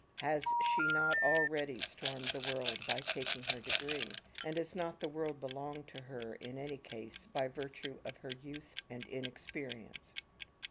Has she not already stormed the world by taking her degree, and does not the world belong to her, in any case, by virtue of her youth and inexperience?